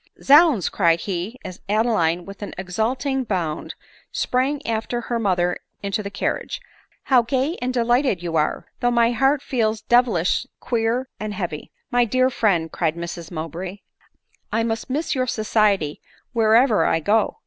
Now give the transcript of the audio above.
" Zounds!" cried he, as Adeline, with an exulting bound, sprang after her mother into the carriage, " how gay and delighted you are ! though my heart feels devilish queer and heavy." " My dear friend," cried Mrs Mowbray, " I must miss your society wherever I go."